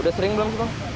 udah sering belum